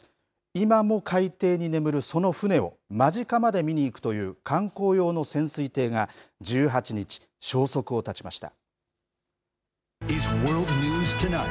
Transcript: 今も海底に眠るその船を、間近まで見に行くという観光用の潜水艇が１８日、消息を絶ちました。